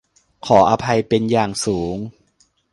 ขออภัยเป็นอย่างสูง